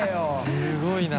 すごいな。